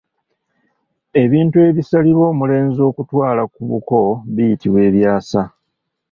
Ebintu ebisalirwa omulenzi okutwala ku buko biyitibwa Ebyasa.